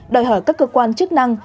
đòi hỏi các cơ quan chức năng